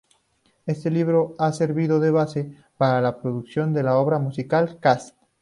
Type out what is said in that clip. Este libro ha servido de base para la producción de la obra musical "Cats".